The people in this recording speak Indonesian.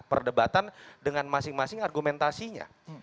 perdebatan dengan masing masing argumentasinya